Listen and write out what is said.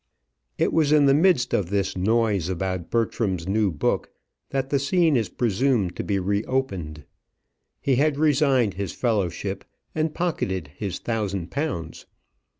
It was in the midst of this noise about Bertram's new book that the scene is presumed to be re opened. He had resigned his fellowship, and pocketed his thousand pounds.